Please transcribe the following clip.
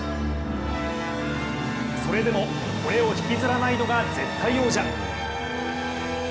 それでも、これを引きずらないのが絶対王者。